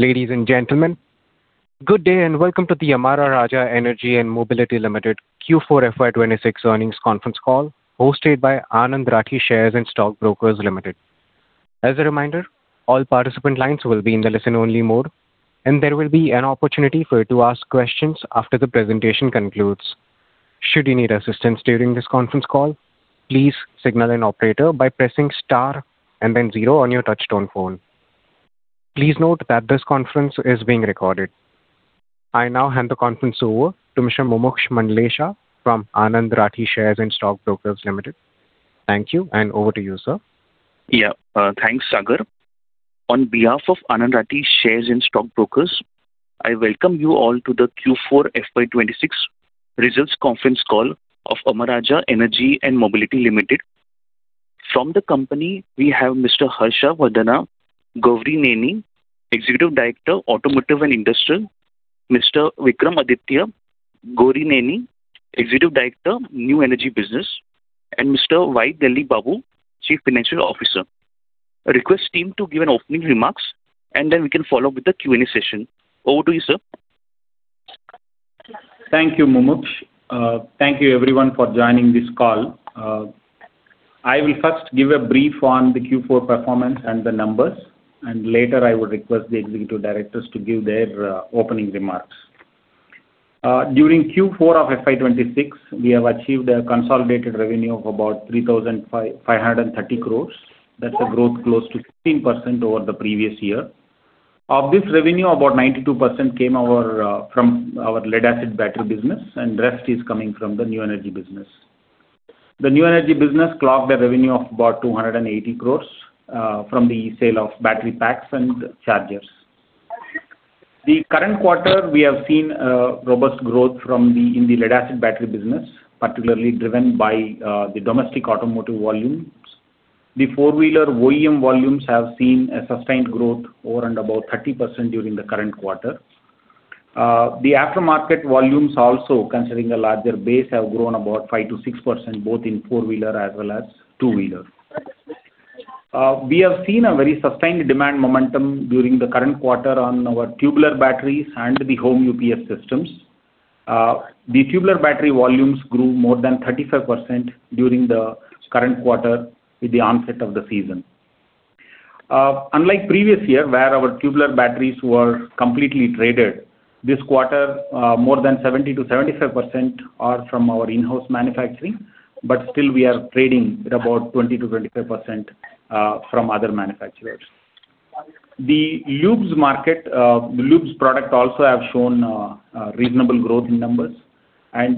Ladies and gentlemen, good day and welcome to the Amara Raja Energy & Mobility Limited Q4 FY 2026 earnings conference call hosted by Anand Rathi Shares and Stock Brokers Limited. As a reminder, all participant lines will be in listen-only mode, and there will be an opportunity for you to ask questions after the presentation concludes. Should you need assistance during this conference call, please signal an operator by pressing star and then zero on your touch-tone phone. Please note that this conference is being recorded. I now hand the conference over to Mr. Mumuksh Mandlesha from Anand Rathi Shares and Stock Brokers Limited. Thank you, and over to you, sir. Yeah. Thanks, Sagar. On behalf of Anand Rathi Shares and Stock Brokers, I welcome you all to the Q4 FY 2026 results conference call of Amara Raja Energy & Mobility Limited. From the company, we have Mr. Harshavardhana Gourineni, Executive Director, Automotive and Industrial, Mr. Vikramadithya Gourineni, Executive Director, New Energy Business, and Mr. Y. Delli Babu, Chief Financial Officer. I request the team to give opening remarks, and then we can follow with the Q&A session. Over to you, sir. Thank you, Mumuksh. Thank you, everyone, for joining this call. I will first give a brief on the Q4 performance and the numbers, and later I will request the leading two directors to give their opening remarks. During Q4 of FY 2026, we have achieved a consolidated revenue of about 3,530 crores. That's a growth close to 15% over the previous year. Of this revenue, about 92% came from our lead-acid battery business, and the rest is coming from the new energy business. The new energy business clocked a revenue of about 280 crores from the sale of battery packs and chargers. The current quarter, we have seen robust growth from the lead-acid battery business, particularly driven by the domestic automotive volumes. The four-wheeler OEM volumes have seen a sustained growth of around about 30% during the current quarter. The aftermarket volumes also, considering a larger base, have grown about 5%-6%, both in four-wheeler as well as two-wheeler. We have seen a very sustained demand momentum during the current quarter on our tubular batteries and the home UPS systems. The tubular battery volumes grew more than 35% during the current quarter with the onset of the season. Unlike the previous year, where our tubular batteries were completely traded, this quarter more than 70%-75% are from our in-house manufacturing, but still we are trading at about 20%-25% from other manufacturers. The lubes product also has shown reasonable growth in numbers.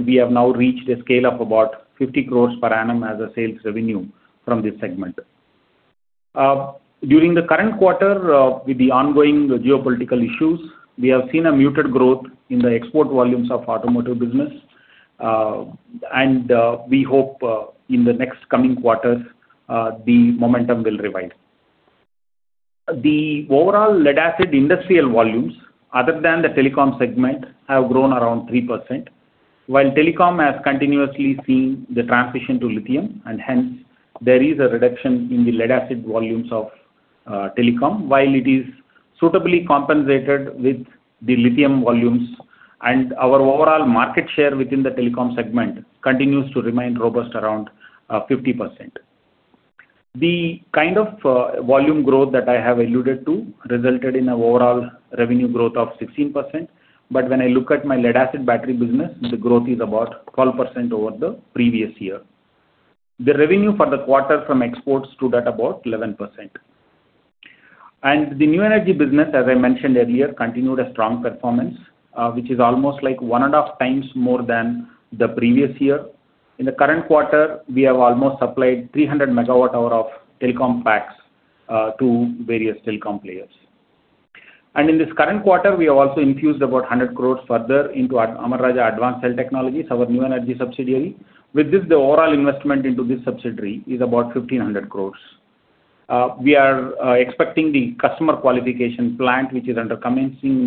We have now reached a scale of about 50 crores per annum as a sales revenue from this segment. During the current quarter, with the ongoing geopolitical issues, we have seen a muted growth in the export volumes of automotive business, and we hope in the next coming quarters, the momentum will revive. The overall lead-acid industrial volumes, other than the telecom segment, have grown around 3%, while telecom has continuously seen the transition to lithium, and hence there is a reduction in the lead-acid volumes of telecom, while it is suitably compensated with the lithium volumes. Our overall market share within the telecom segment continues to remain robust around 50%. The kind of volume growth that I have alluded to resulted in overall revenue growth of 16%, but when I look at my lead-acid battery business, the growth is about 12% over the previous year. The revenue for the quarter from exports stood at about 11%. The new energy business, as I mentioned earlier, continued a strong performance, which is almost one and a half times more than the previous year. In the current quarter, we have almost supplied 300 megawatt hours of telecom packs to various telecom players. In this current quarter, we have also infused about 100 crore further into our Amara Raja Advanced Cell Technologies, our new energy subsidiary. With this, the overall investment into this subsidiary is about 1,500 crore. We are expecting the customer qualification plant, which is under commissioning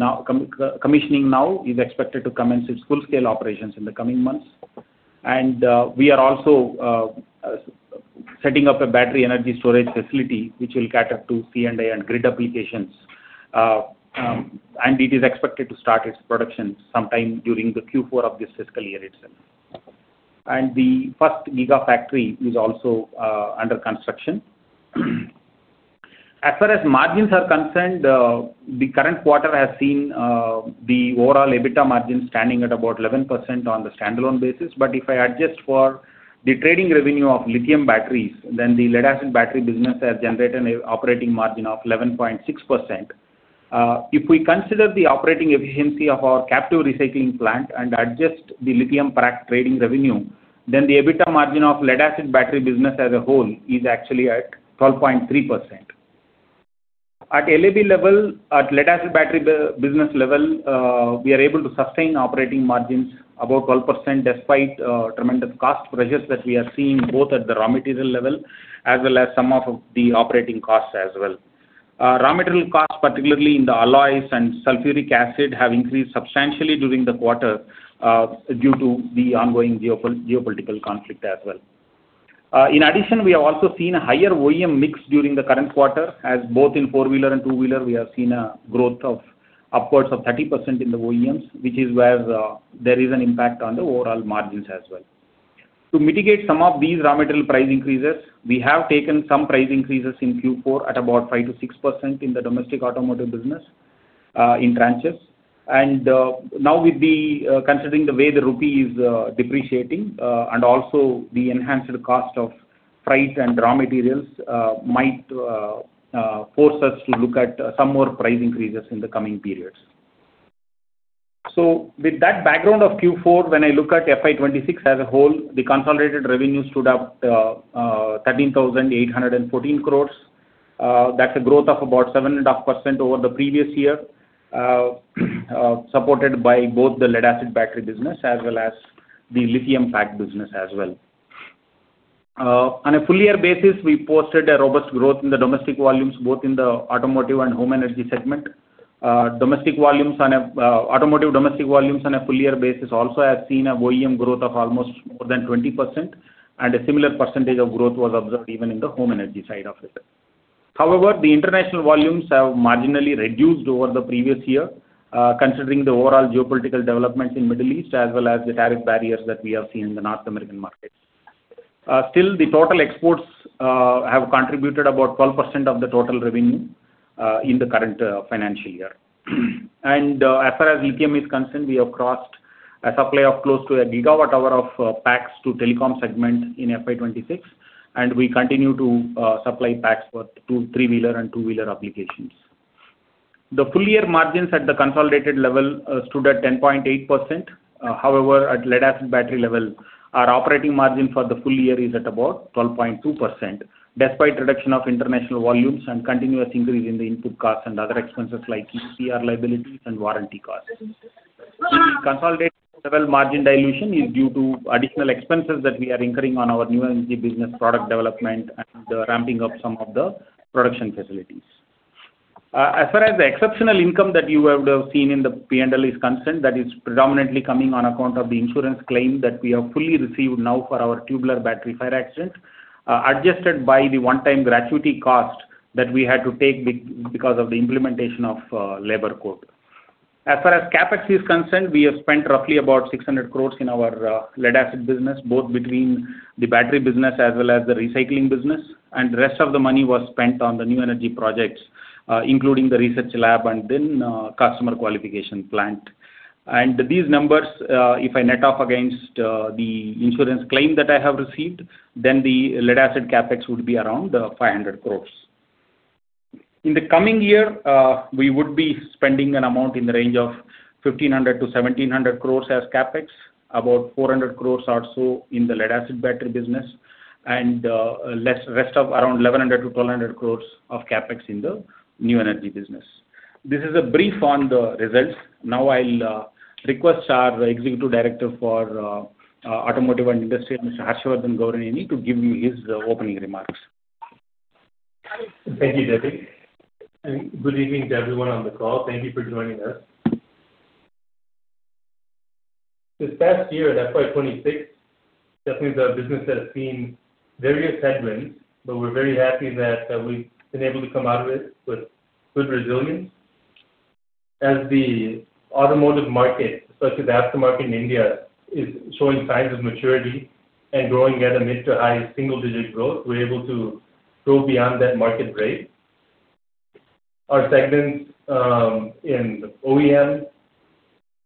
now, is expected to commence its full-scale operations in the coming months. We are also setting up a battery energy storage facility which will cater to C&I and grid applications, and it is expected to start its production sometime during the Q4 of this fiscal year itself. The first gigafactory is also under construction. As far as margins are concerned, the current quarter has seen the overall EBITDA margin standing at about 11% on a standalone basis, but if I adjust for the trading revenue of lithium batteries, then the lead-acid battery business has generated an operating margin of 11.6%. If we consider the operating efficiency of our captive recycling plant and adjust the lithium pack trading revenue, then the EBITDA margin of lead-acid battery business as a whole is actually at 12.3%. At LAB level, at lead-acid battery business level, we are able to sustain operating margins above 12%, despite tremendous cost pressures that we are seeing both at the raw material level as well as some of the operating costs as well. Raw material costs, particularly in the alloys and sulfuric acid, have increased substantially during the quarter due to the ongoing geopolitical conflict as well. In addition, we have also seen a higher OEM mix during the current quarter, as both in four-wheeler and two-wheeler, we have seen a growth of upwards of 30% in the OEMs, which is where there is an impact on the overall margins as well. To mitigate some of these raw material price increases, we have taken some price increases in Q4 at about 5% to 6% in the domestic automotive business in tranches. Now we'll be considering the way the rupee is depreciating, and also the enhanced cost of freight and raw materials might force us to look at some more price increases in the coming periods. With that background of Q4, when I look at FY 2026 as a whole, the consolidated revenue stood up 13,814 crore. That's a growth of about 7.5% over the previous year, supported by both the lead-acid battery business as well as the lithium pack business as well. On a full year basis, we posted a robust growth in the domestic volumes, both in the automotive and home energy segment. Automotive domestic volumes on a full year basis also have seen an OEM growth of almost more than 20%, and a similar percentage of growth was observed even in the home energy side of it. However, the international volumes have marginally reduced over the previous year, considering the overall geopolitical developments in Middle East as well as the tariff barriers that we have seen in the North American markets. Still, the total exports have contributed about 12% of the total revenue in the current financial year. As far as lithium is concerned, we have crossed a supply of close to a gigawatt hour of packs to telecom segment in FY 2026, and we continue to supply packs for three-wheeler and two-wheeler applications. The full year margins at the consolidated level stood at 10.8%. However, at lead-acid battery level, our operating margin for the full year is at about 12.2%, despite reduction of international volumes and continuous increase in the input costs and other expenses like EPR liabilities and warranty costs. The consolidated level margin dilution is due to additional expenses that we are incurring on our new energy business product development and the ramping of some of the production facilities. As far as the exceptional income that you would have seen in the P&L is concerned, that is predominantly coming on account of the insurance claim that we have fully received now for our tubular battery fire accident, adjusted by the one-time gratuity cost that we had to take because of the implementation of labor code. As far as CapEx is concerned, we have spent roughly about 600 crores in our lead-acid business, both between the battery business as well as the recycling business, and the rest of the money was spent on the new energy projects, including the research lab and then customer qualification plant. These numbers, if I net off against the insurance claim that I have received, then the lead-acid CapEx would be around 500 crores. In the coming year, we would be spending an amount in the range of 1,500 crore-1,700 crore as CapEx, about 400 crore also in the lead-acid battery business, and rest of around 1,100 crore-1,200 crore of CapEx in the new energy business. This is a brief on the results. Now I'll request our Executive Director for Automotive and Industrial, Mr. Harshavardhana Gourineni, to give you his opening remarks. Thank you, Delli. Good evening to everyone on the call. Thank you for joining us. This past year, FY 2026, definitely our business has seen various headwinds, but we're very happy that we've been able to come out of it with good resilience. As the automotive market, especially the aftermarket in India, is showing signs of maturity and growing at a mid to high single-digit growth, we're able to go beyond that market rate. Our segments in OEM,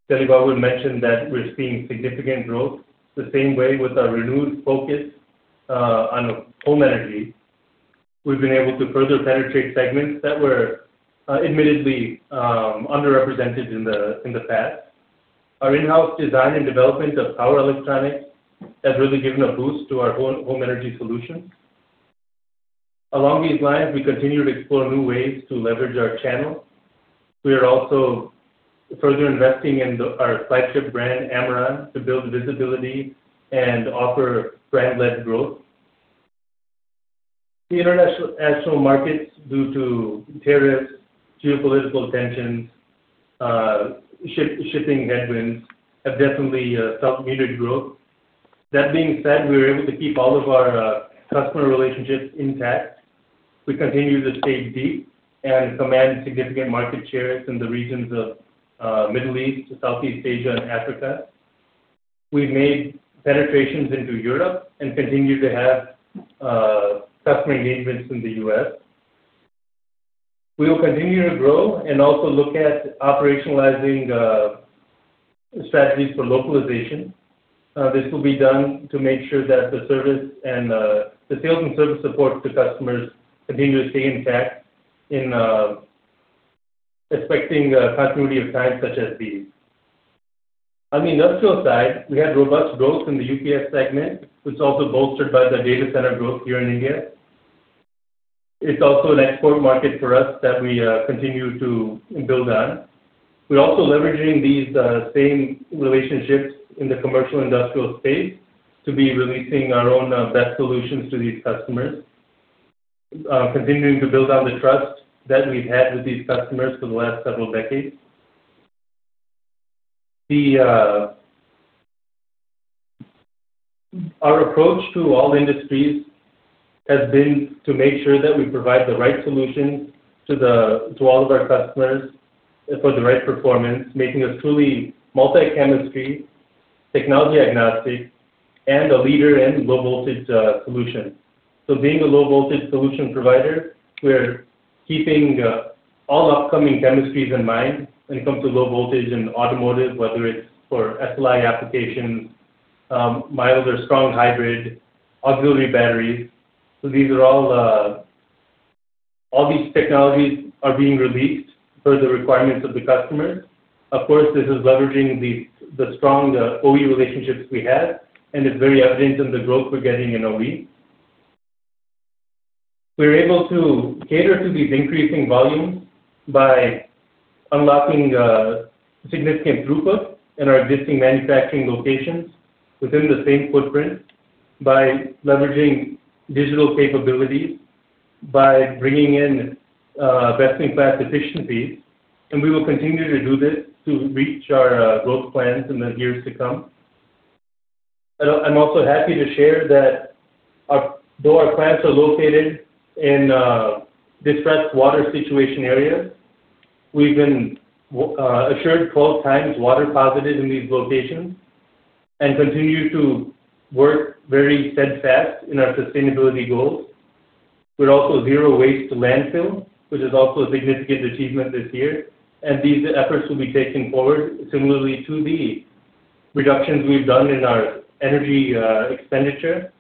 Delli mentioned that we're seeing significant growth. The same way with our renewed focus on home energy, we've been able to further penetrate segments that were admittedly underrepresented in the past. Our in-house design and development of power electronics has really given a boost to our own home energy solution. Along these lines, we continue to explore new ways to leverage our channel. We are also further investing in our flagship brand, Amaron, to build visibility and offer brand-led growth. The international markets, due to tariffs, geopolitical tensions, shipping headwinds, have definitely felt muted growth. That being said, we were able to keep all of our customer relationships intact. We continue to stay deep and command significant market shares in the regions of Middle East, Southeast Asia, and Africa. We made penetrations into Europe and continue to have customer engagements in the U.S. We will continue to grow and also look at operationalizing strategies for localization. This will be done to make sure that the sales and service support to customers continue to stay intact in expecting continuity of times such as these. On the industrial side, we had robust growth in the UPS segment, which is also bolstered by the data center growth here in India. It's also an export market for us that we continue to build on. We're also leveraging these same relationships in the commercial industrial space to be releasing our own BESS solutions to these customers, continuing to build on the trust that we've had with these customers for the last several decades. Our approach to all industries has been to make sure that we provide the right solution to all of our customers for the right performance, making us truly multi-chemistry, technology agnostic, and a leader in low voltage solutions. Being a low voltage solution provider, we're keeping all upcoming chemistries in mind when it comes to low voltage in automotive, whether it's for SLI applications, mild or strong hybrid, auxiliary batteries. All these technologies are being released per the requirements of the customer. Of course, this is leveraging the strong OEM relationships we have. It's very evident in the growth we're getting in OEM. We're able to cater to these increasing volumes by unlocking significant throughput in our existing manufacturing locations within the same footprint by leveraging digital capabilities, by bringing in best-in-class efficiencies. We will continue to do this to reach our growth plans in the years to come. I'm also happy to share that though our plants are located in distressed water situation areas, we've been assured 12 times water positive in these locations and continue to work very steadfast in our sustainability goals. We're also zero waste to landfill, which is also a significant achievement this year. These efforts will be taken forward similarly to the reductions we've done in our energy expenditure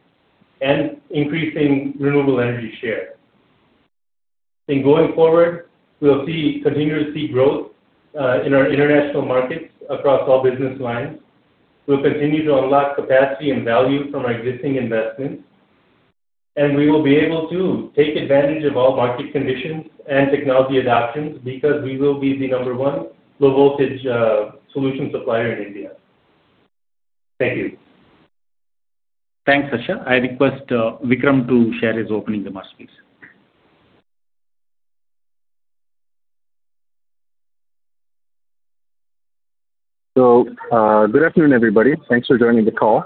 and increasing renewable energy share. In going forward, we'll continue to see growth in our international markets across all business lines. We'll continue to unlock capacity and value from our existing investments, and we will be able to take advantage of all market conditions and technology adoptions because we will be the number one low voltage solution supplier in India. Thank you. Thanks, Harsha. I request Vikram to share his opening remarks, please. Good afternoon, everybody. Thanks for joining the call.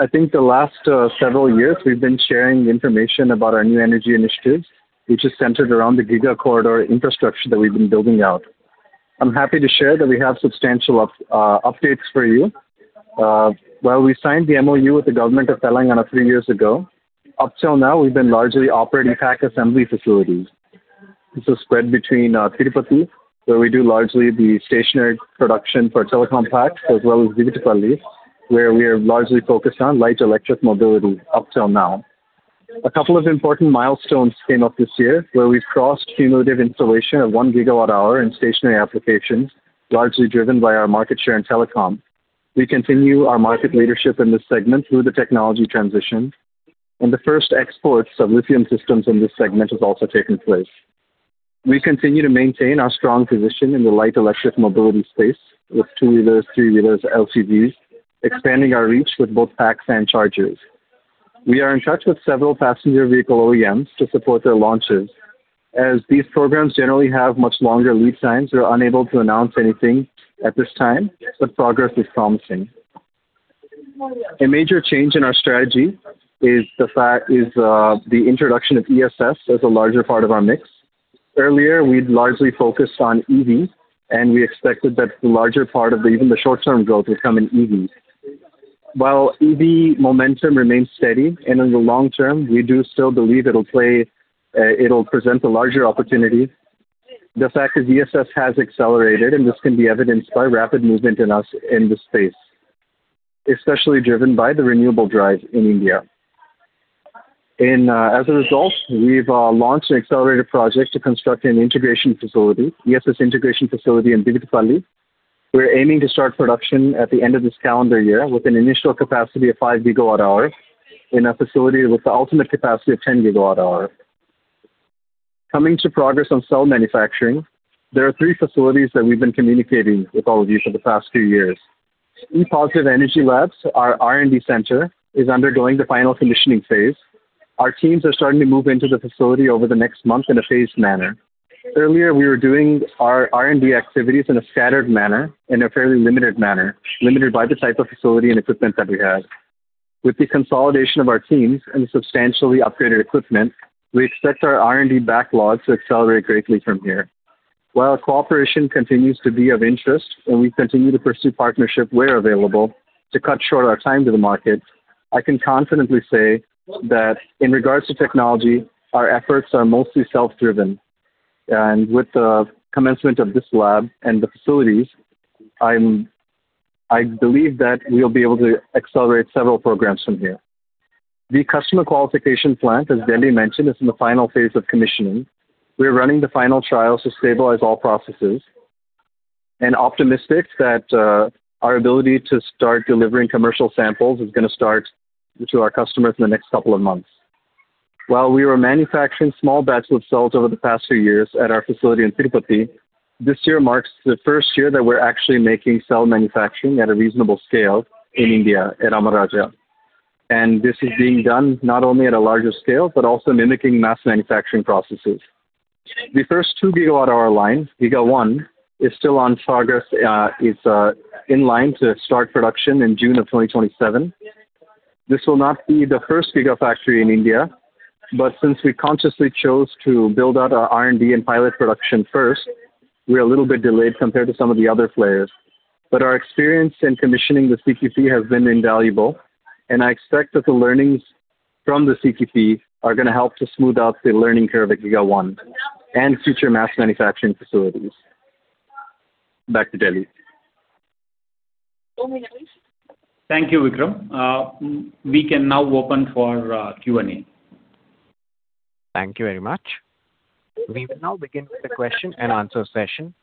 I think the last several years we've been sharing information about our new energy initiatives, which is centered around the Giga Corridor infrastructure that we've been building out. I'm happy to share that we have substantial updates for you. While we signed the MOU with the government of Telangana three years ago, up till now we've been largely operating pack assembly facilities. This is spread between Tirupati, where we do largely the stationary production for Telecom pack, as well as Divitipalli, where we are largely focused on light electric mobility up till now. A couple of important milestones came up this year, where we crossed cumulative installation of 1 GWh in stationary applications, largely driven by our market share in Telecom. The first exports of lithium systems in this segment has also taken place. We continue our market leadership in this segment through the technology transition. We continue to maintain our strong position in the light electric mobility space with two-wheelers, three-wheelers, LCVs, expanding our reach with both packs and chargers. We are in touch with several passenger vehicle OEMs to support their launches. As these programs generally have much longer lead times, we're unable to announce anything at this time, but progress is promising. A major change in our strategy is the introduction of ESS as a larger part of our mix. Earlier, we'd largely focused on EV. We expected that the larger part of even the short-term growth is coming in EV. While EV momentum remains steady and in the long-term, we do still believe it'll present a larger opportunity. The fact that ESS has accelerated. This can be evidenced by rapid movement in the space, especially driven by the renewable drive in India. As a result, we've launched an accelerated project to construct an integration facility, ESS integration facility in Bidikapalli. We're aiming to start production at the end of this calendar year with an initial capacity of five gigawatt hour in a facility with the ultimate capacity of 10 GWh. Coming to progress on cell manufacturing, there are three facilities that we've been communicating with all of you for the past few years. e+ Energy Labs, our R&D center, is undergoing the final commissioning phase. Our teams are starting to move into the facility over the next month in a phased manner. Earlier, we were doing our R&D activities in a scattered manner, in a fairly limited manner, limited by the type of facility and equipment that we had. With the consolidation of our teams and substantially upgraded equipment, we expect our R&D backlogs to accelerate greatly from here. While cooperation continues to be of interest and we continue to pursue partnership where available to cut short our time to the market, I can confidently say that in regards to technology, our efforts are mostly self-driven. With the commencement of this lab and the facilities, I believe that we'll be able to accelerate several programs from here. The customer qualification plant, as Delli mentioned, is in the final phase of commissioning. We're running the final trials to stabilize all processes and optimistic that our ability to start delivering commercial samples is going to start to our customers in the next couple of months. While we were manufacturing small batch of cells over the past few years at our facility in Tirupati, this year marks the first year that we're actually making cell manufacturing at a reasonable scale in India at Amara Raja. This is being done not only at a larger scale, but also mimicking mass manufacturing processes. The first 2 GWh line, Giga Corridor, is still on progress. It's in line to start production in June of 2027. This will not be the first gigafactory in India, but since we consciously chose to build out our R&D and pilot production first, we're a little bit delayed compared to some of the other players. Our experience in commissioning the CQP has been invaluable, and I expect that the learnings from the CQP are going to help to smooth out the learning curve at Giga Corridor and future mass manufacturing facilities. Back to Delli. Thank you, Vikram. We can now open for Q&A. Thank you very much. We will now begin the question and answer session.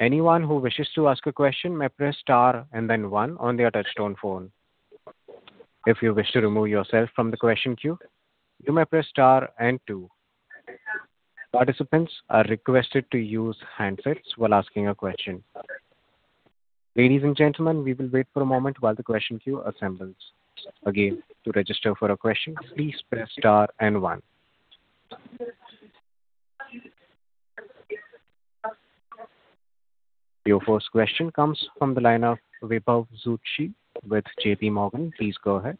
Anyone who wishes to ask a question may press star and then one on their touchtone phone. If you wish to remove yourself from the question queue, you may press star and two. Participants are requested to use handsets while asking a question. Ladies and gentlemen, we will wait for a moment while the question queue assembles. Again, to register for a question, please press star and one. Your first question comes from the line of Vibhav Zutshi with JPMorgan. Please go ahead.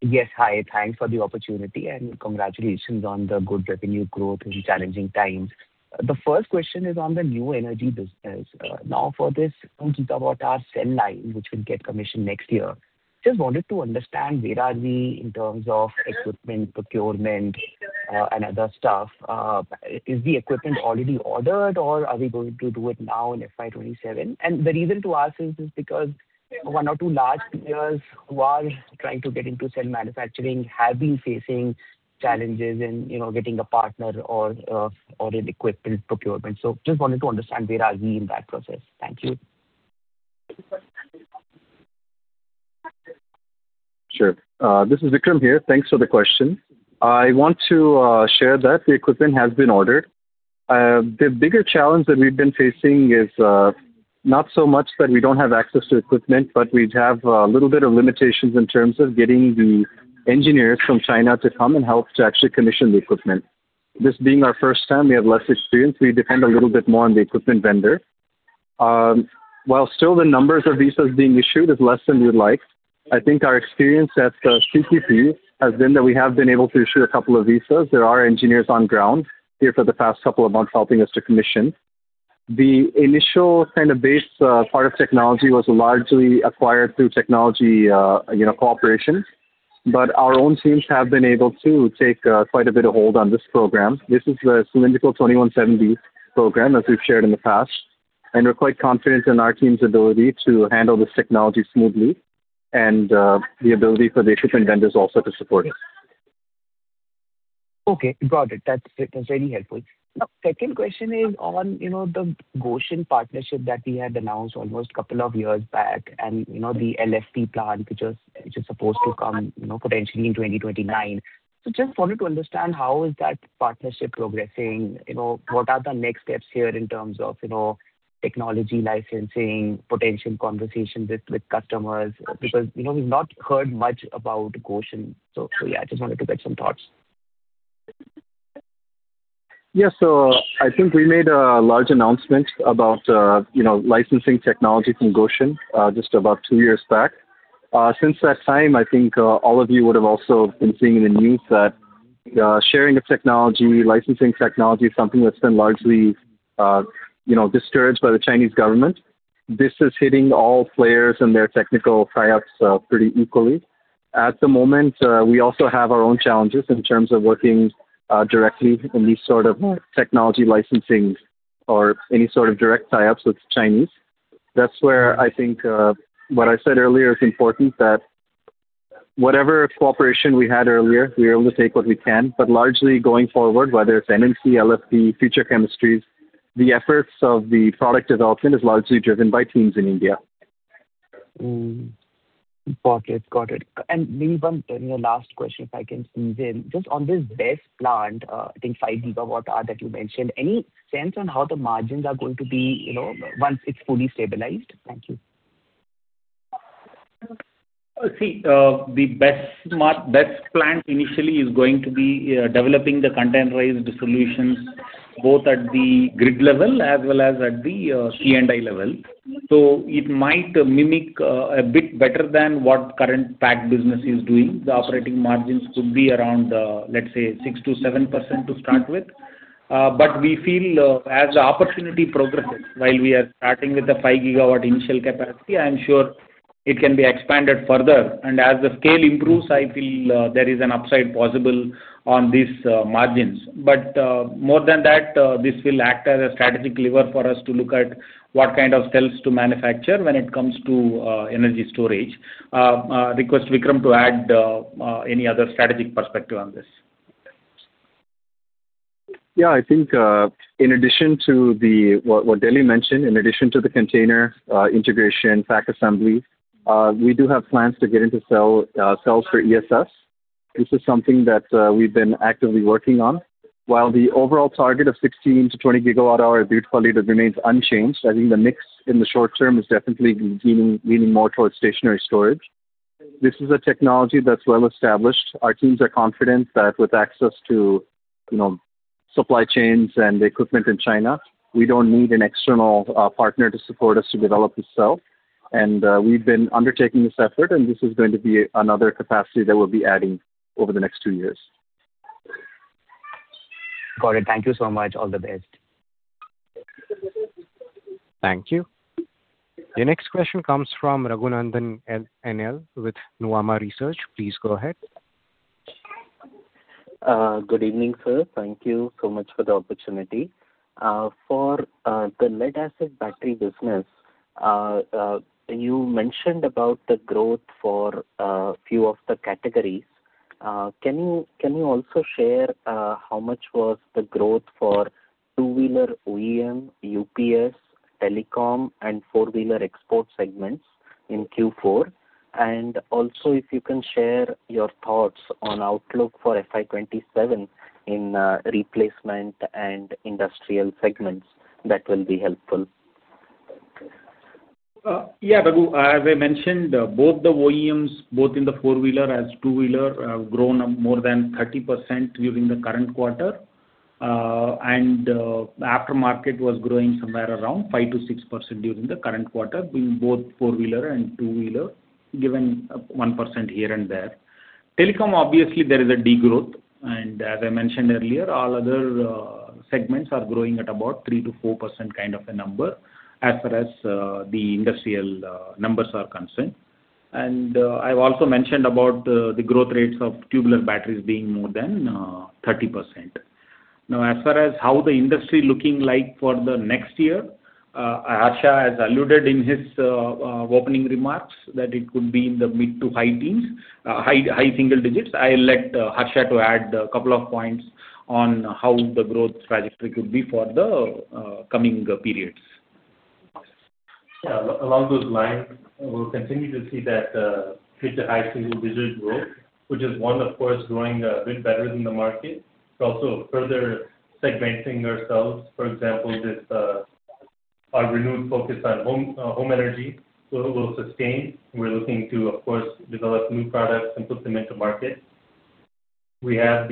Yes. Hi, thanks for the opportunity and congratulations on the good revenue growth in challenging times. The first question is on the new energy business. Now for this gigawatt hour cell line, which will get commissioned next year, just wanted to understand where are we in terms of equipment procurement and other stuff. Is the equipment already ordered, or are we going to do it now in FY 2027? The reason to ask this is because one or two large players who are trying to get into cell manufacturing have been facing challenges in getting a partner or ordered equipment procurement. Just wanted to understand where are we in that process. Thank you. Sure. This is Vikram here. Thanks for the question. I want to share that the equipment has been ordered. The bigger challenge that we've been facing is not so much that we don't have access to equipment, but we'd have a little bit of limitations in terms of getting the engineers from China to come and help to actually commission the equipment. This being our first time, we have less experience. We depend a little bit more on the equipment vendor. While still the numbers of visas being issued is less than we'd like, I think our experience at CQP has been that we have been able to issue a couple of visas. There are engineers on ground here for the past couple of months helping us to commission. The initial base part of technology was largely acquired through technology cooperation, but our own teams have been able to take quite a bit of hold on this program. This is a cylindrical 2170 program that we've shared in the past, and we're quite confident in our team's ability to handle this technology smoothly and the ability for the equipment vendors also to support it. Okay, got it. That's really helpful. Second question is on the Gotion partnership that we had announced almost a couple of years back and the LFP plant, which is supposed to come potentially in 2029. Just wanted to understand how is that partnership progressing? What are the next steps here in terms of technology licensing, potential conversations with customers? We've not heard much about Gotion socially. I just wanted to get some thoughts. I think we made a large announcement about licensing technology from Gotion just about two years back. Since that time, I think all of you would have also been seeing in the news that sharing of technology, licensing technology is something that's been largely disturbed by the Chinese government. This is hitting all players and their technical tie-ups pretty equally. At the moment, we also have our own challenges in terms of working directly any sort of technology licensing or any sort of direct tie-ups with the Chinese. That's where I think what I said earlier is important, that whatever cooperation we had earlier, we're able to take what we can. Largely going forward, whether it's NMC, LFP, future chemistries, the efforts of the product development is largely driven by teams in India. Got it. Vikram, maybe a last question, if I can squeeze in. Just on this BESS plant, I think five gigawatt hour that you mentioned, any sense on how the margins are going to be once it's fully stabilized? Thank you. The BESS plant initially is going to be developing the containerized solutions both at the grid level as well as at the C&I level. It might mimic a bit better than what current pack business is doing. The operating margins could be around, let's say, 6%-7% to start with. We feel as the opportunity progresses, while we are starting with the 5 GW initial capacity, I'm sure it can be expanded further. As the scale improves, I feel there is an upside possible on these margins. More than that, this will act as a strategic lever for us to look at what kind of cells to manufacture when it comes to energy storage. Request Vikram to add any other strategic perspective on this. Yeah, I think in addition to what Delli mentioned, in addition to the container integration pack assembly, we do have plans to get into cells for ESS. This is something that we've been actively working on. While the overall target of 16 GWh-20 GWh of BESS product remains unchanged, I think the mix in the short term is definitely leaning more towards stationary storage. This is a technology that's well established. Our teams are confident that with access to supply chains and equipment in China, we don't need an external partner to support us to develop the cell. We've been undertaking this effort, and this is going to be another capacity that we'll be adding over the next two years. Got it. Thank you so much. All the best. Thank you. The next question comes from Raghunandhan NL with Nuvama Research. Please go ahead. Good evening, sir. Thank you so much for the opportunity. For the lead acid battery business, you mentioned about the growth for a few of the categories. Can you also share how much was the growth for two-wheeler OEM, UPS, telecom, and four-wheeler export segments in Q4? Also, if you can share your thoughts on outlook for FY 2027 in replacement and industrial segments, that will be helpful. Yeah, Raghu, as I mentioned, both the OEMs, both in the four-wheeler as two-wheeler, have grown more than 30% during the current quarter. Aftermarket was growing somewhere around 5%-6% during the current quarter, being both four-wheeler and two-wheeler, given 1% here and there. Telecom, obviously, there is a degrowth. As I mentioned earlier, all other segments are growing at about 3%-4% kind of a number as far as the industrial numbers are concerned. I've also mentioned about the growth rates of tubular batteries being more than 30%. Now, as far as how the industry looking like for the next year, Harsha has alluded in his opening remarks that it could be in the mid to high single digits. I'll let Harsha to add a couple of points on how the growth trajectory could be for the coming periods. Yeah, along those lines, we'll continue to see that mid to high single-digit growth, which is one, of course, growing a bit better than the market. It's also further segmenting ourselves. For example, our renewed focus on home energy will sustain. We're looking to, of course, develop new products and put them into market. We're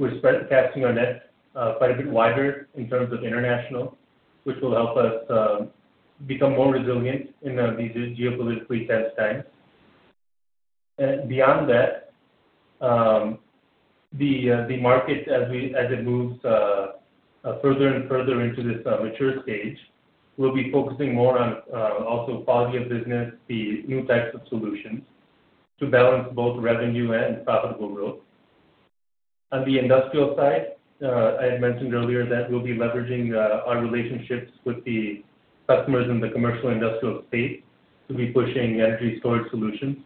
casting our net quite a bit wider in terms of international, which will help us become more resilient in these geopolitically tense times. Beyond that, the market, as it moves further and further into this mature stage, we'll be focusing more on also part of your business, the new types of solutions, to balance both revenue and profitable growth. On the industrial side, I had mentioned earlier that we'll be leveraging our relationships with the customers in the commercial industrial space to be pushing energy storage solutions.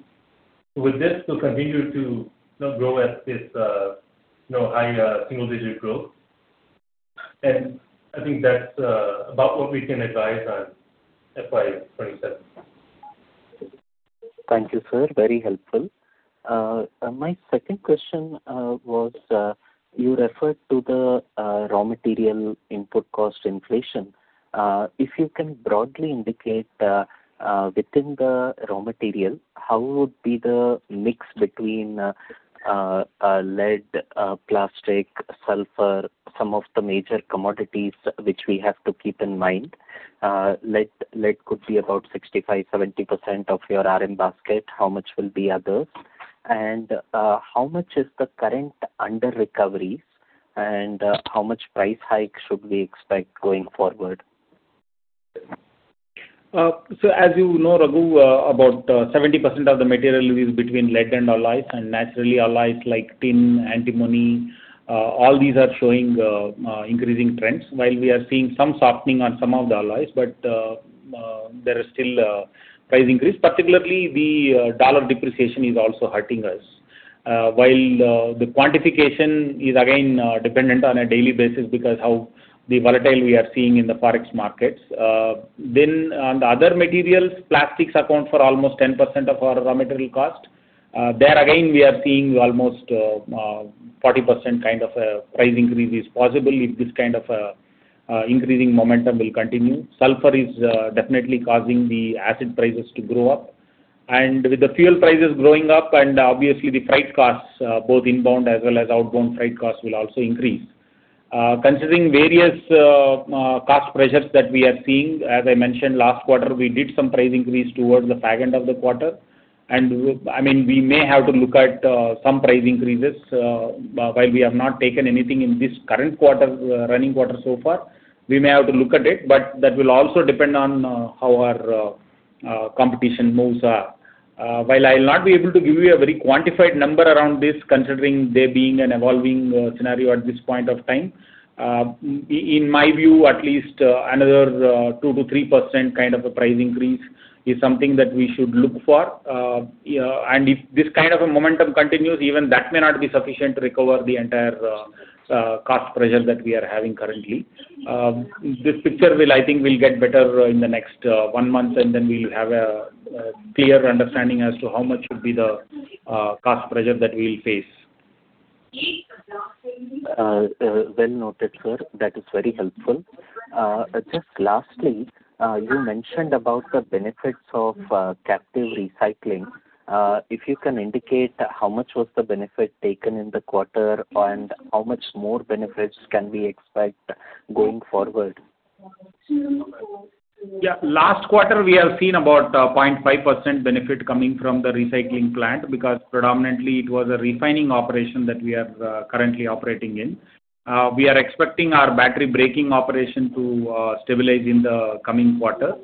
With this, we'll continue to grow at this high single-digit growth, and I think that's about what we can advise on FY 2027. Thank you, sir. Very helpful. My second question was, you referred to the raw material input cost inflation. You can broadly indicate, within the raw material, how would be the mix between lead, plastic, sulfur, some of the major commodities which we have to keep in mind. Lead could be about 65%-70% of your RM basket. How much will be others? How much is the current underrecoveries, and how much price hike should we expect going forward? As you know, Raghu, about 70% of the material is between lead and alloys, and naturally alloys like tin, antimony, all these are showing increasing trends. We are seeing some softening on some of the alloys, but there is still a price increase. Particularly, the dollar depreciation is also hurting us. The quantification is again dependent on a daily basis because how the volatility we are seeing in the Forex markets. On other materials, plastics account for almost 10% of our raw material cost. There again, we are seeing almost 40% kind of a price increase is possible if this kind of increasing momentum will continue. Sulfur is definitely causing the acid prices to go up. With the fuel prices going up and obviously the freight costs, both inbound as well as outbound freight costs will also increase. Considering various cost pressures that we are seeing, as I mentioned last quarter, we did some price increase towards the back end of the quarter. We may have to look at some price increases. While we have not taken anything in this current running quarter so far, we may have to look at it, but that will also depend on how our competition moves. While I'll not be able to give you a very quantified number around this, considering there being an evolving scenario at this point of time, in my view, at least another 2%-3% kind of a price increase is something that we should look for. If this kind of a momentum continues, even that may not be sufficient to recover the entire cost pressure that we are having currently. This picture, I think, will get better in the next one month, and then we'll have a clear understanding as to how much would be the cost pressure that we'll face. Well noted, sir. That is very helpful. Just lastly, you mentioned about the benefits of captive recycling. If you can indicate how much was the benefit taken in the quarter, and how much more benefits can we expect going forward? Last quarter, we have seen about 0.5% benefit coming from the recycling plant, because predominantly it was a refining operation that we are currently operating in. We are expecting our battery breaking operation to stabilize in the coming quarter.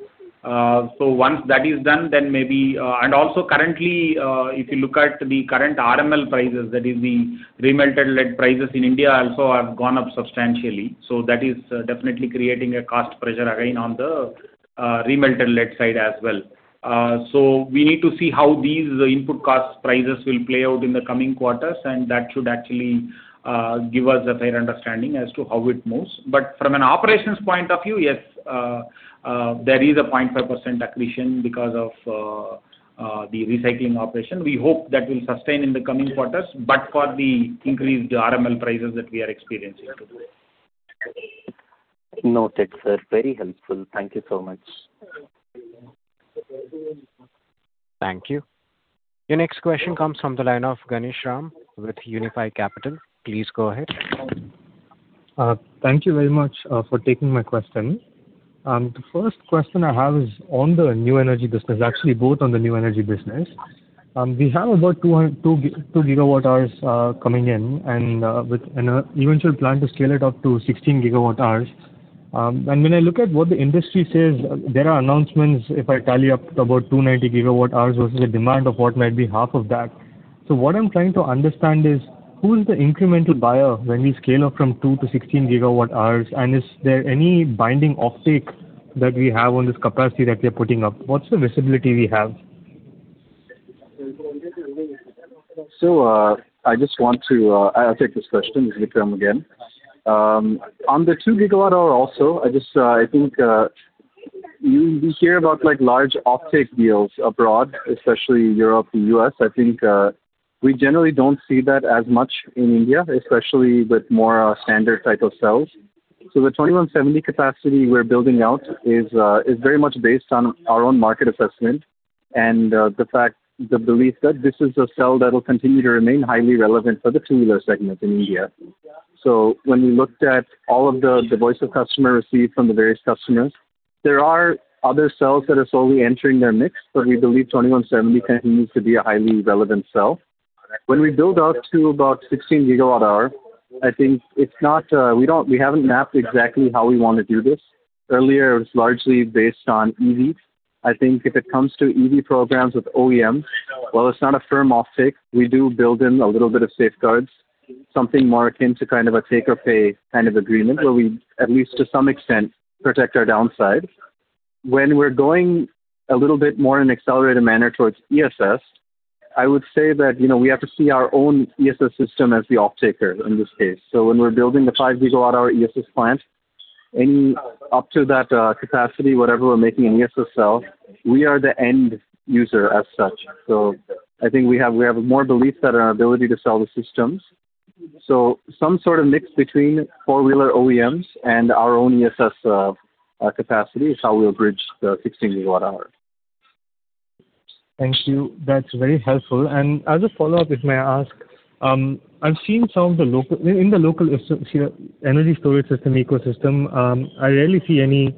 Currently, if you look at the current RML prices, that is the remelted lead prices in India also have gone up substantially. That is definitely creating a cost pressure again on the remelted lead side as well. We need to see how these input cost prices will play out in the coming quarters, and that should actually give us a fair understanding as to how it moves. From an operations point of view, yes, there is a 0.5% accretion because of the recycling operation. We hope that will sustain in the coming quarters, but for the increased RML prices that we are experiencing. Noted, sir. Very helpful. Thank you so much. Thank you. The next question comes from the line of Ganesh Ram with Unifi Capital. Please go ahead. Thank you very much for taking my question. The first question I have is on the new energy business, actually, both on the new energy business. We have about 2 GWh coming in and with an eventual plan to scale it up to 16 GWh. When I look at what the industry says, there are announcements, if I tally up to about 290 GWh versus the demand of what might be half of that. What I'm trying to understand is, who is the incremental buyer when you scale up from two to 16 GWh, and is there any binding offtake that we have on this capacity that we're putting up? What's the visibility we have? I just want to answer this question, Vikram, again. On the 2 GWh also, I think we hear about large offtake deals abroad, especially Europe, the U.S. I think we generally don't see that as much in India, especially with more standard type of cells. The 2170 capacity we're building out is very much based on our own market assessment and the belief that this is a cell that will continue to remain highly relevant for the two-wheeler segment in India. When we looked at all of the voice of customer received from the various customers, there are other cells that are slowly entering their mix, but we believe 2170 continues to be a highly relevant cell. When we build out to about 16 GWh, we haven't mapped exactly how we want to do this. Earlier, it was largely based on EV. I think if it comes to EV programs with OEMs, while it's not a firm offtake, we do build in a little bit of safeguards, something more akin to a take or pay kind of agreement where we at least to some extent, protect our downsides. When we're going a little bit more in an accelerated manner towards ESS, I would say that we have to see our own ESS system as the offtaker in this case. When we're building the 5 GWh ESS plant, up to that capacity, whatever we're making in ESS cell, we are the end user as such. I think we have more belief in our ability to sell the systems. Some sort of mix between four-wheeler OEMs and our own ESS capacity is how we'll bridge the 16 GWh. Thank you. That's very helpful. As a follow-up, if may I ask, in the local energy storage system ecosystem, I rarely see any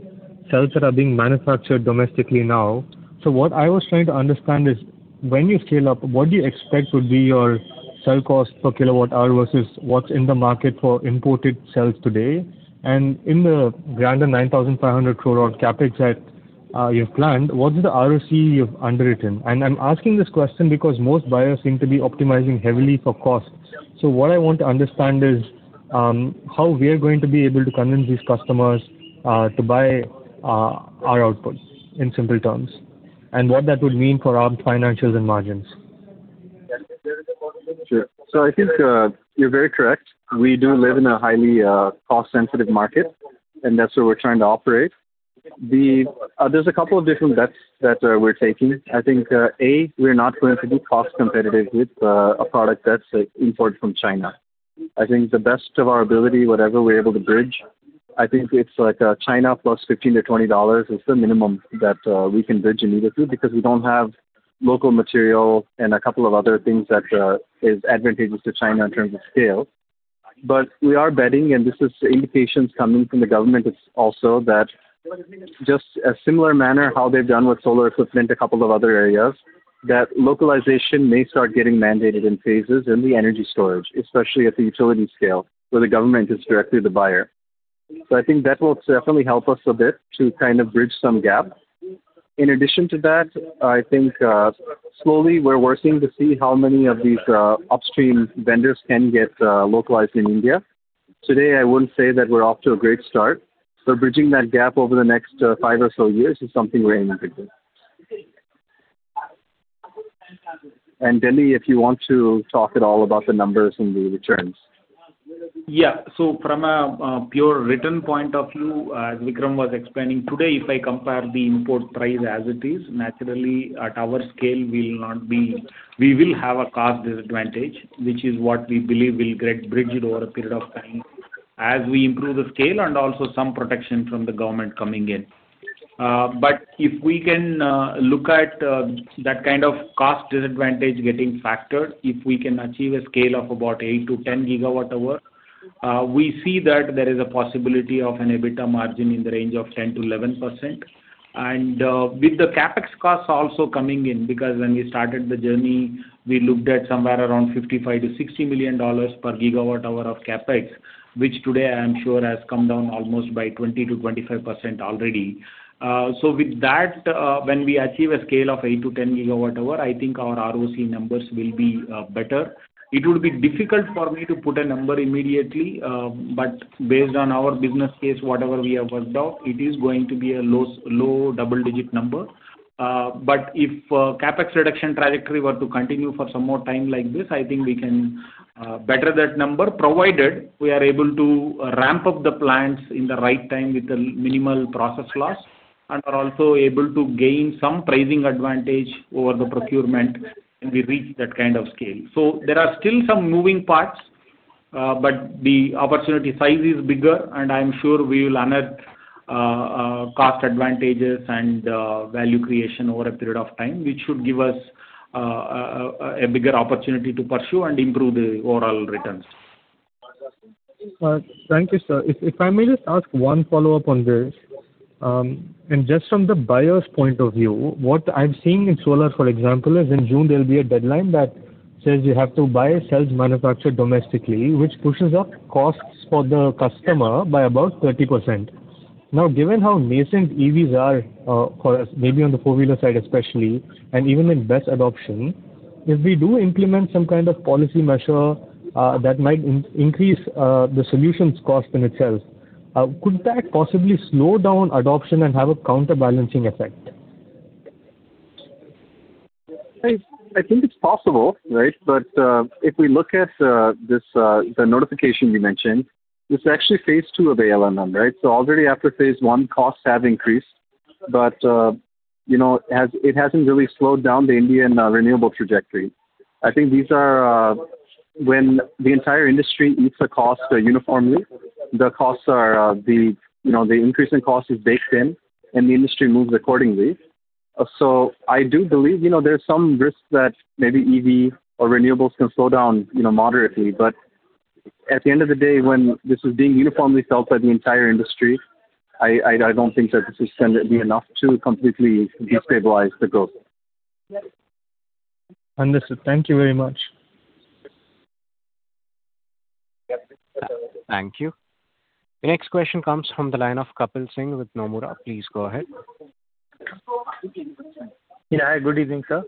cells that are being manufactured domestically now. What I was trying to understand is, when you scale up, what do you expect would be your cell cost per kilowatt hour versus what's in the market for imported cells today? In the grander 9,500 crore CapEx you've planned, what is the ROC you've underwritten? I'm asking this question because most buyers seem to be optimizing heavily for costs. What I want to understand is how we are going to be able to convince these customers to buy our output, in simple terms, and what that would mean for our financials and margins. Sure. I think you're very correct. We do live in a highly cost-sensitive market, and that's where we're trying to operate. There's a couple of different bets that we're taking. I think, A, we're not going to be cost competitive with a product that's imported from China. I think the best of our ability, whatever we're able to bridge, I think it's like China +$15-$20 is the minimum that we can bridge immediately because we don't have local material and a couple of other things that is advantageous to China in terms of scale. We are betting, and this is the indications coming from the government also that just a similar manner how they've done with solar equipment, a couple of other areas, that localization may start getting mandated in phases in the energy storage, especially at the utility scale, where the government is directly the buyer. I think that will definitely help us a bit to bridge some gap. In addition to that, I think slowly we're working to see how many of these upstream vendors can get localized in India. Today, I would say that we're off to a great start. Bridging that gap over the next five or so years is something we're aiming to do. Delli, if you want to talk at all about the numbers and the returns. From a pure return point of view, as Vikram was explaining today, if I compare the import price as it is, naturally at our scale, we will have a cost disadvantage, which is what we believe will get bridged over a period of time as we improve the scale and also some protection from the government coming in. If we can look at that kind of cost disadvantage getting factored, if we can achieve a scale of about 8 GWh-10 GWh, we see that there is a possibility of an EBITDA margin in the range of 10%-11%. With the CapEx cost also coming in, because when we started the journey, we looked at somewhere around $55 million-$60 million per gigawatt hour of CapEx, which today I'm sure has come down almost by 20%-25% already. With that, when we achieve a scale of 8 GWh-10 GWh, I think our ROC numbers will be better. It would be difficult for me to put a number immediately. Based on our business case, whatever we have worked out, it is going to be a low double-digit number. If CapEx reduction trajectory were to continue for some more time like this, I think we can better that number, provided we are able to ramp up the plants in the right time with a minimal process loss and are also able to gain some pricing advantage over the procurement when we reach that kind of scale. There are still some moving parts, but the opportunity size is bigger and I'm sure we will unearth cost advantages and value creation over a period of time, which should give us a bigger opportunity to pursue and improve the overall returns. Thank you, sir. If I may just ask one follow-up on this. Just from the buyer's point of view, what I'm seeing in solar, for example, is in June there'll be a deadline that says you have to buy cells manufactured domestically, which pushes up costs for the customer by about 30%. Now, given how nascent EVs are, maybe on the four-wheeler side especially, and even with BESS adoption, if we do implement some kind of policy measure that might increase the solutions cost in itself, could that possibly slow down adoption and have a counterbalancing effect? I think it's possible, right? If we look at the notification we mentioned, this is actually phase II of the ALMM, right? Already after phase I, costs have increased, but it hasn't really slowed down the Indian renewable trajectory. I think when the entire industry eats a cost uniformly, the increase in cost is baked in and the industry moves accordingly. I do believe there's some risk that maybe EV or renewables can slow down moderately, but at the end of the day, when this is being uniformly felt by the entire industry, I don't think that this is suddenly enough to completely destabilize the growth. Understood. Thank you very much. Thank you. The next question comes from the line of Kapil Singh with Nomura. Please go ahead. Good evening, sir.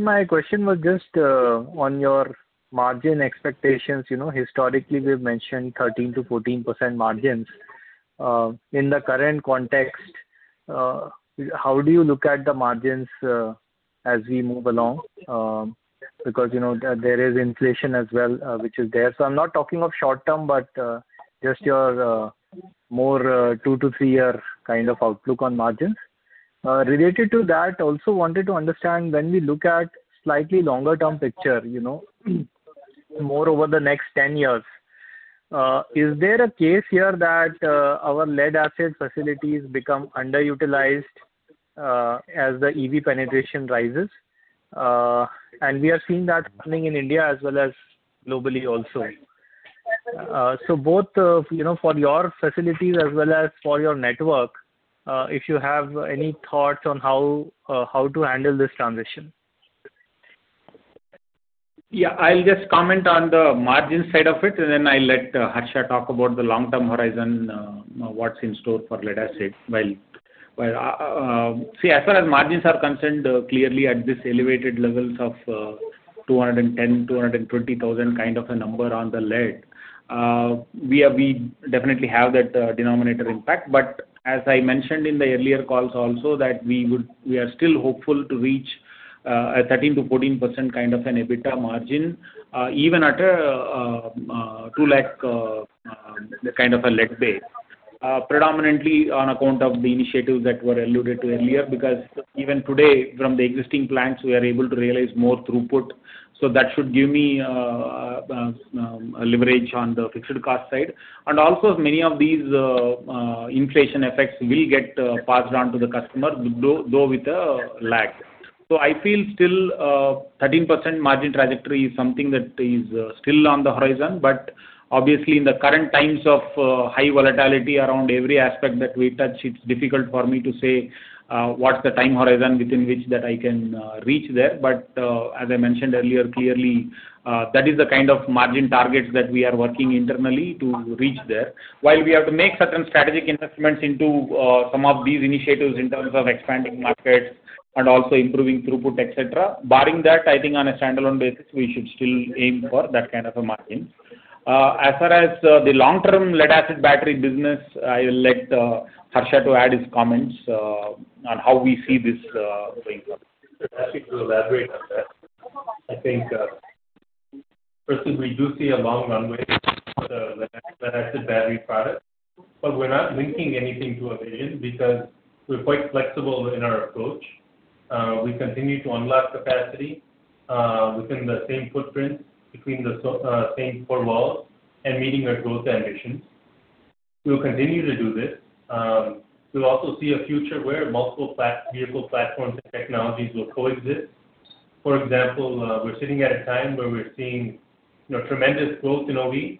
My question was just on your margin expectations. Historically, we've mentioned 13%-14% margins. In the current context, how do you look at the margins as we move along? There is inflation as well, which is there. I'm not talking of short term, but just your more two to three year kind of outlook on margins. Related to that, also wanted to understand when we look at slightly longer term picture, more over the next 10 years, is there a case here that our lead acid facilities become underutilized as the EV penetration rises? We are seeing that happening in India as well as globally also. Both for your facilities as well as for your network, if you have any thoughts on how to handle this transition. I'll just comment on the margin side of it, and then I'll let Harsha talk about the long-term horizon, what's in store for lead acid. See, as far as margins are concerned, clearly at this elevated levels of 210,000, 220,000 kind of a number on the lead, we definitely have that denominator impact. As I mentioned in the earlier calls also that we are still hopeful to reach a 13%-14% kind of an EBITDA margin, even at a 2 lakh kind of a lead base, predominantly on account of the initiatives that were alluded to earlier. That should give me a leverage on the fixed cost side. Also many of these inflation effects will get passed on to the customer, though with a lag. I feel still a 13% margin trajectory is something that is still on the horizon, but obviously in the current times of high volatility around every aspect that we touch, it's difficult for me to say what's the time horizon within which that I can reach there. As I mentioned earlier, clearly, that is the kind of margin target that we are working internally to reach there. While we have to make certain strategic investments into some of these initiatives in terms of expanding markets and also improving throughput, et cetera. Barring that, I think on a standalone basis, we should still aim for that kind of a margin. As far as the long-term lead acid battery business, I'll let Harsha to add his comments on how we see this play out. Happy to elaborate on that. I think, firstly, we do see a long runway in the lead acid battery product, but we are not linking anything to a region because we are quite flexible in our approach. We continue to unlock capacity within the same footprint, between the same four walls and meeting our growth ambitions. We'll continue to do this. We'll also see a future where multiple vehicle platforms and technologies will coexist. For example, we're sitting at a time where we're seeing tremendous growth in OEM,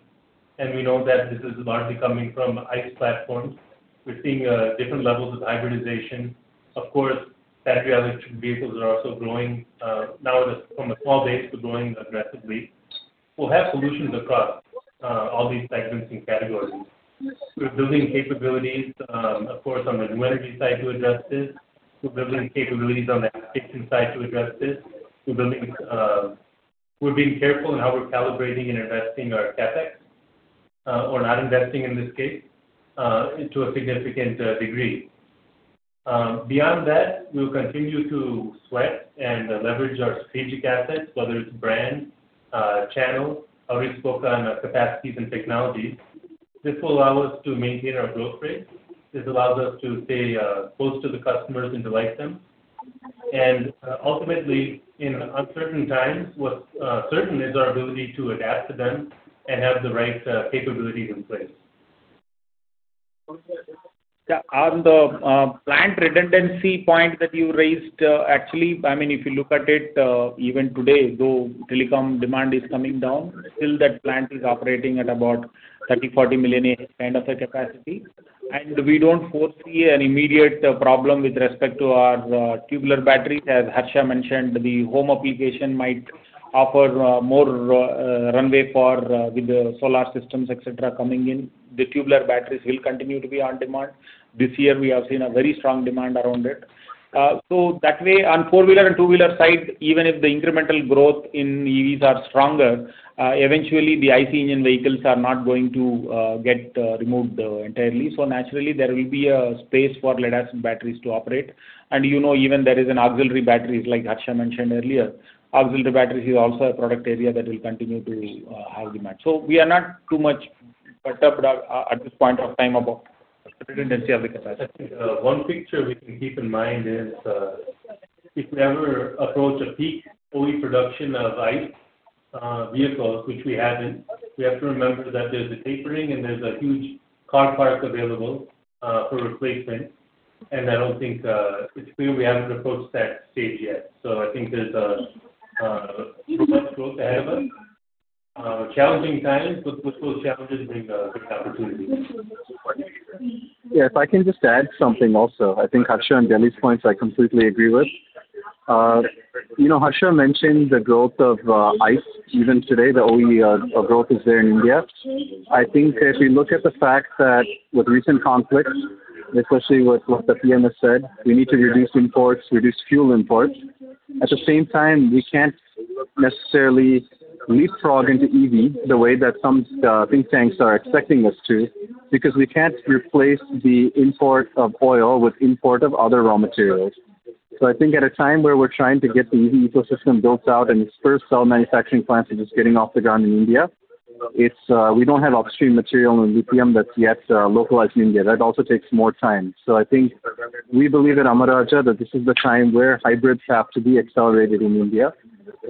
and we know that this is largely coming from ICE platforms. We're seeing different levels of hybridization. Of course, battery electric vehicles are also growing, now from a small base, but growing aggressively. We'll have solutions across all these segments and categories. We're building capabilities, of course, on the energy side to address this. We're building capabilities on the execution side to address this. We're being careful in how we're calibrating and investing our CapEx, or not investing, in this case, to a significant degree. Beyond that, we'll continue to sweat and leverage our strategic assets, whether it's brand, channel. Already spoken on capacities and technologies. This will allow us to maintain our growth rate. This allows us to stay close to the customers and delight them. Ultimately, in uncertain times, what's certain is our ability to adapt to them and have the right capabilities in place. On the plant redundancy point that you raised, actually, if you look at it, even today, though telecom demand is coming down, still that plant is operating at about 30 million, 40 million Ah kind of a capacity. We don't foresee an immediate problem with respect to our tubular battery. As Harsha mentioned, the home application might offer more runway for the solar systems, et cetera, coming in. The tubular batteries will continue to be on demand. This year, we have seen a very strong demand around it. That way, on four-wheeler and two-wheeler side, even if the incremental growth in EVs are stronger, eventually the ICE engine vehicles are not going to get removed entirely. Naturally, there will be a space for lead acid batteries to operate. Even there is an auxiliary battery, like Harsha mentioned earlier. Auxiliary batteries is also a product area that will continue to have demand. We are not too much perturbed at this point of time about redundancy of the battery. One picture we can keep in mind is, if we ever approach a peak OE production of ICE vehicles, which we haven't, we have to remember that there's a tapering and there's a huge car parc available for replacement, it's clear we haven't approached that stage yet. I think there's a huge growth ahead of us, challenging times, but those challenges bring a good opportunity. If I can just add something also. I think Harsha and Delli's points I completely agree with. Harsha mentioned the growth of ICE even today, the OE growth is there in India. I think if we look at the fact that with recent conflicts, especially what the PM has said, we need to reduce imports, reduce fuel imports. At the same time, we can't necessarily leapfrog into EV the way that some think tanks are expecting us to, because we can't replace the import of oil with import of other raw materials. I think at a time where we're trying to get the EV ecosystem built out and its first cell manufacturing plant is just getting off the ground in India, we don't have upstream material in lithium that's yet localized in India. That also takes more time. I think we believe at Amara Raja that this is the time where hybrids have to be accelerated in India,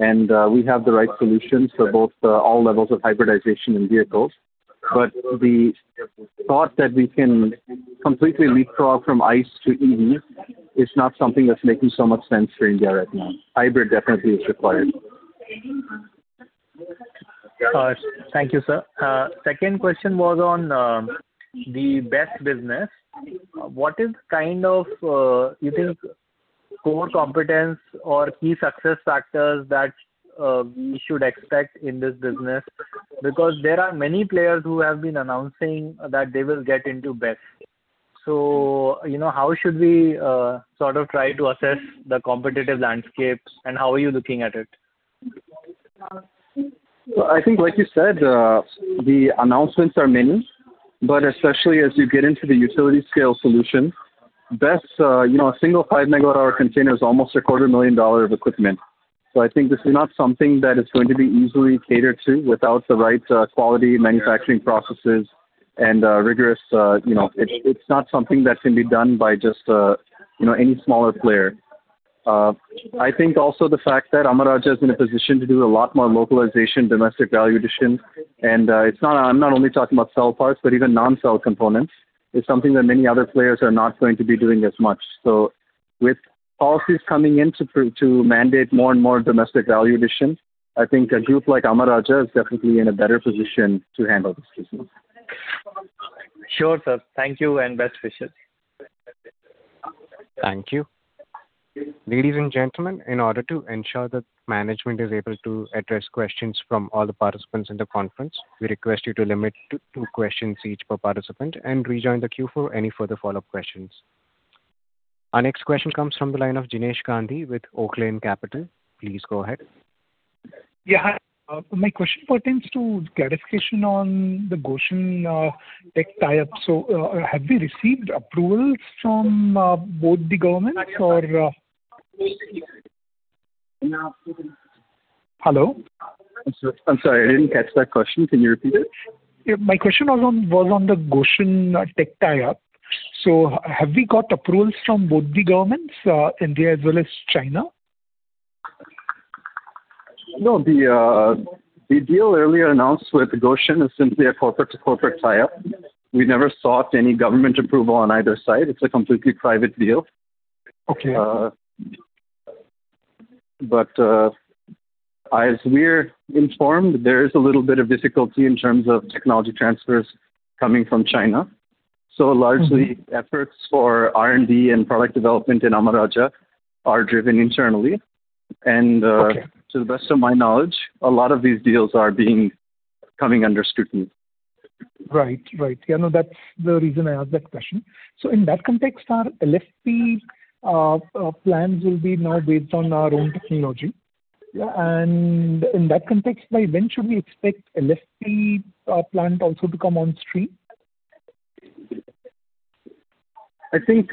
and we have the right solutions for both all levels of hybridization in vehicles. The thought that we can completely leapfrog from ICE to EV is not something that's making so much sense for India right now. Hybrid definitely is required. Thank you, sir. Second question was on the BESS business. What is kind of, you think, core competence or key success factors that we should expect in this business? There are many players who have been announcing that they will get into BESS. How should we try to assess the competitive landscape and how are you looking at it? I think what you said, the announcements are many, but especially as you get into the utility scale solution, BESS, a single five megawatt hour container is almost a quarter million dollars of equipment. I think this is not something that is going to be easily catered to without the right quality manufacturing processes and it's not something that can be done by just any smaller player. I think also the fact that Amara Raja is in a position to do a lot more localization, domestic value addition, and I'm not only talking about cell parts, but even non-cell components, is something that many other players are not going to be doing as much. With policies coming in to mandate more and more domestic value addition, I think a group like Amara Raja is definitely in a better position to handle this business. Sure, sir. Thank you, and best wishes. Thank you. Ladies and gentlemen, in order to ensure that management is able to address questions from all the participants in the conference, we request you to limit to two questions each per participant and rejoin the queue for any further follow-up questions. Our next question comes from the line of Jinesh Gandhi with Oaklane Capital. Please go ahead. Yeah. My question pertains to clarification on the Gotion tech tie-up. Have you received approvals from both the governments? Hello? I'm sorry, I didn't catch that question. Can you repeat it? Yeah. My question was on the Gotion tech tie-up. Have we got approvals from both the governments, India as well as China? No, the deal earlier announced with Gotion is simply a corporate to corporate tie-up. We never sought any government approval on either side. It's a completely private deal. Okay. As we're informed, there is a little bit of difficulty in terms of technology transfers coming from China. Largely efforts for R&D and product development in Amara Raja are driven internally. Okay. To the best of my knowledge, a lot of these deals are coming under scrutiny. Right. That's the reason I asked that question. In that context, our LFP plans will be now based on our own technology. In that context, by when should we expect LFP plant also to come on stream? I think,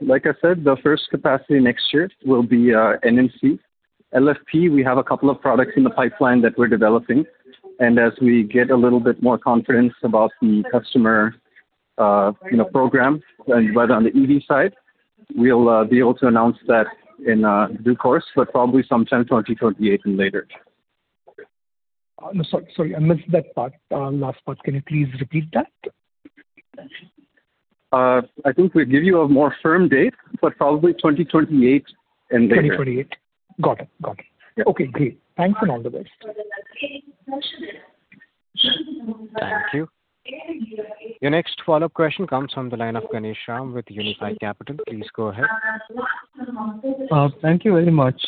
like I said, the first capacity next year will be NMC. LFP, we have a couple of products in the pipeline that we're developing, and as we get a little bit more confidence about the customer in the program right on the EV side, we'll be able to announce that in due course, but probably sometime 2028 and later. I'm sorry. I missed that last part. Can you please repeat that? I think we'd give you a more firm date, but probably 2028 and later. 2028. Got it. Okay, great. Thanks a lot for this. Thank you. The next follow-up question comes from the line of Ganesh Ram with Unifi Capital. Please go ahead. Thank you very much.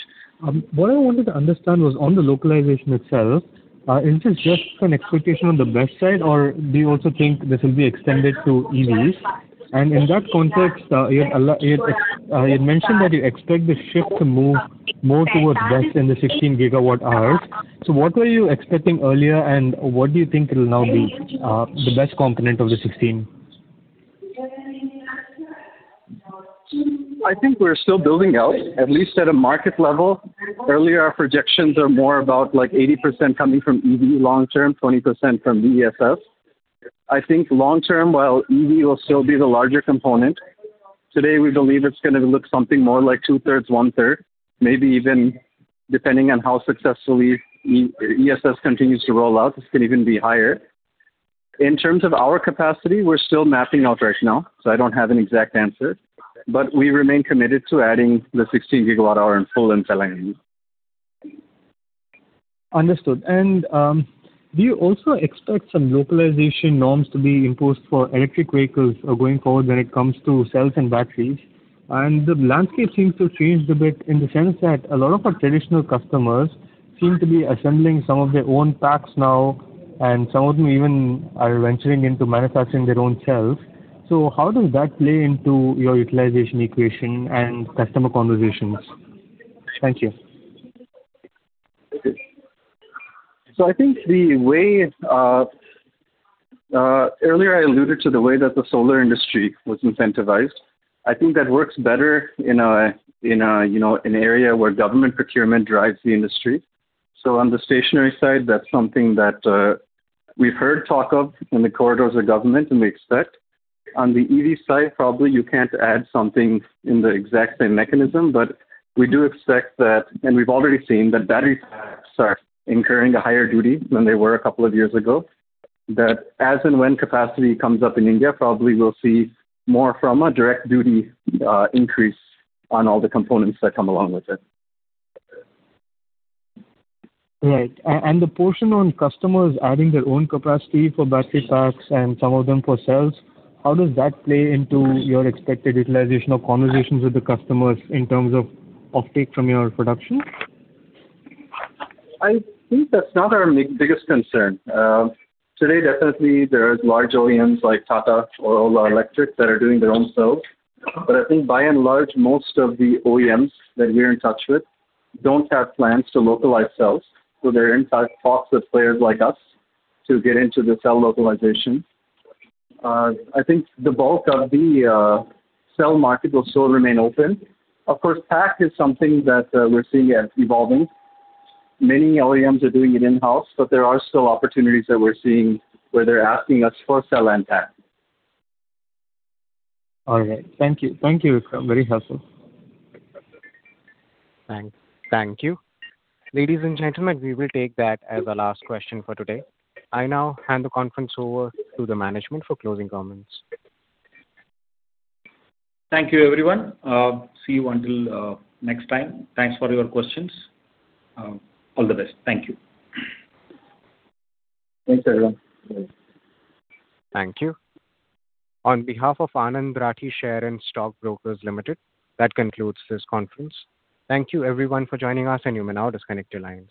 What I wanted to understand was on the localization itself, is this just an expectation on the BESS side, or do you also think this will be extended to EVs? In that context, you mentioned that you expect the shift to move more towards BESS in the 16 GWh. What were you expecting earlier, and what do you think will now be the BESS component of the 16 GWh? I think we're still building out, at least at a market level. Earlier, our projections are more about 80% coming from EV long term, 20% from BESS. I think long term, while EV will still be the larger component, today we believe it's going to look something more like 2/3, 1/3, maybe even depending on how successfully ESS continues to roll out, this could even be higher. In terms of our capacity, we're still mapping out right now, so I don't have an exact answer, but we remain committed to adding the 16 GWh in full in Telangana. Understood. Do you also expect some localization norms to be imposed for electric vehicles going forward when it comes to cells and batteries? The landscape seems to have changed a bit in the sense that a lot of our traditional customers seem to be assembling some of their own packs now, and some of them even are venturing into manufacturing their own cells. How does that play into your utilization equation and customer conversations? Thank you. I think earlier I alluded to the way that the solar industry was incentivized. I think that works better in an area where government procurement drives the industry. On the stationary side, that's something that we've heard talk of in the corridors of government and we expect. On the EV side, probably you can't add something in the exact same mechanism, but we do expect that, and we've already seen that battery packs are incurring a higher duty than they were a couple of years ago. As and when capacity comes up in India, probably we'll see more from a direct duty increase on all the components that come along with it. Right. The portion on customers adding their own capacity for battery packs and some of them for cells, how does that play into your expected utilization or conversations with the customers in terms of uptake from your production? I think that's not our biggest concern. Today, definitely, there are large OEMs like Tata or Ola Electric that are doing their own cells. I think by and large, most of the OEMs that we are in touch with don't have plans to localize cells. They're, in fact, talk to players like us to get into the cell localization. I think the bulk of the cell market will still remain open. Of course, pack is something that we're seeing as evolving. Many OEMs are doing it in-house, but there are still opportunities that we're seeing where they're asking us for cell and pack. All right. Thank you. Very helpful. Thanks. Thank you. Ladies and gentlemen, we will take that as the last question for today. I now hand the conference over to the management for closing comments. Thank you, everyone. See you until next time. Thanks for your questions. All the best. Thank you. Thanks, everyone. Thank you. On behalf of Anand Rathi Share and Stock Brokers Limited, that concludes this conference. Thank you everyone for joining us and you may now disconnect your lines.